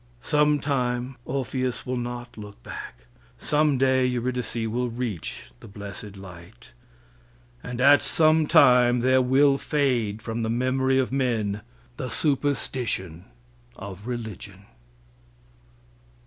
Some time Orpheus will not look back. Some day Eurydice will reach the blessed light, and at some time there will fade from the memory of men the superstition of religion.